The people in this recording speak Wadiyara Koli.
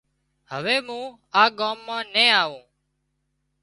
هوي مُون آ ڳام مان نين آوون